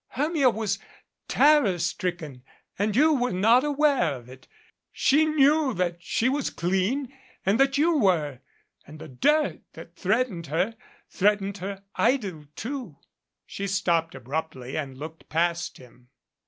Hermia was terror stricken and you were not aware of it. She knew that she was clean and that you were, and the dirt that threatened her threatened her idyl, too." She stopped abruptly and looked past him.